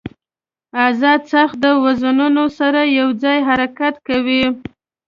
ازاد څرخ د وزنونو سره یو ځای حرکت کوي.